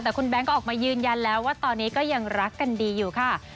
แต่คุณแบงค์ก็ออกมายืนยันแล้วว่าตอนนี้ก็ยังรักกันดีอยู่ค่ะ